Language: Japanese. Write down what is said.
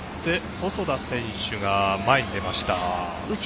細田が前に出ました。